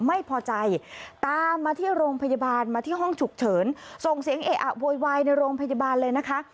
ไม่พอใจตามมาที่โรงพยาบาลมาที่ห้องฉุกเฉินส่งเสียงเอะอะโวยวายในโรงพยาบาลเลยนะคะ